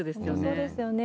そうですよね。